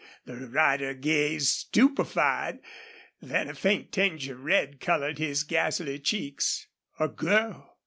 The rider gazed, stupefied. Then a faint tinge of red colored his ghastly cheeks. "A girl!